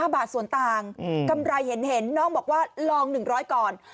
บาทส่วนต่างกำไรเห็นน้องบอกว่าลอง๑๐๐ก่อน